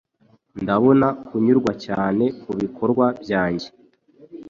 Ndabona kunyurwa cyane kubikorwa byanjye